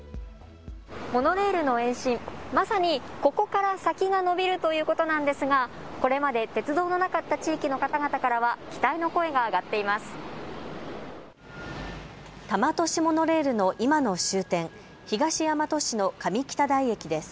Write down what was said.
モノレールの延伸、まさにここから先がのびるということなんですがこれまで鉄道のなかった地域の方々からは期待の声が上がっています。